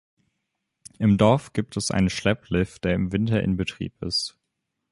Im Dorf gibt es einen Schlepplift, der im Winter in Betrieb ist.